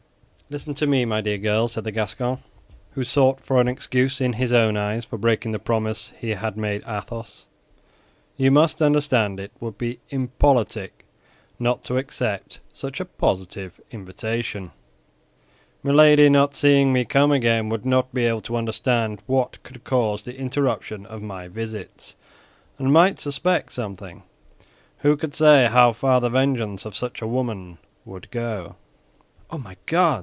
"Listen to me, my dear girl," said the Gascon, who sought for an excuse in his own eyes for breaking the promise he had made Athos; "you must understand it would be impolitic not to accept such a positive invitation. Milady, not seeing me come again, would not be able to understand what could cause the interruption of my visits, and might suspect something; who could say how far the vengeance of such a woman would go?" "Oh, my God!"